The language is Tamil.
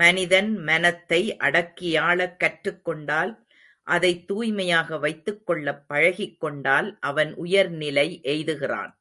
மனிதன், மனத்தை அடக்கியாளக் கற்றுக்கொண்டால் அதைத் தூய்மையாக வைத்துக் கொள்ளப் பழகிக் கொண்டால் அவன் உயர்நிலை எய்துகிறான்.